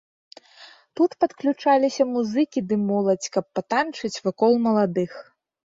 Тут падключаліся музыкі ды моладзь, каб патанчыць вакол маладых.